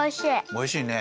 おいしいね！